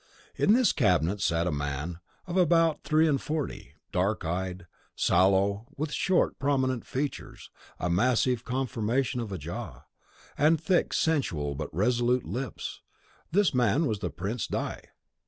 In this cabinet sat a man of about three and forty, dark eyed, sallow, with short, prominent features, a massive conformation of jaw, and thick, sensual, but resolute lips; this man was the Prince di